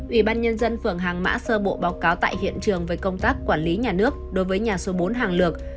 ủy ban nhân dân phường hàng mã sơ bộ báo cáo tại hiện trường về công tác quản lý nhà nước đối với nhà số bốn hàng lược